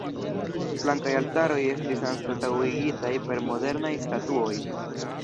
Flankaj altaroj estis anstataŭigitaj per modernaj statuoj.